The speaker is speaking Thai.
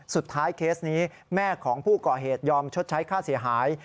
เคสนี้แม่ของผู้ก่อเหตุยอมชดใช้ค่าเสียหาย